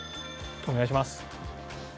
お願いします。